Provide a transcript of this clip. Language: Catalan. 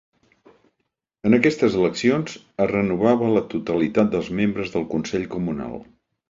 En aquestes eleccions es renovava la totalitat dels membres del consell comunal.